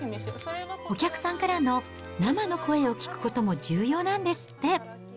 お客さんからの生の声を聞くことも重要なんですって。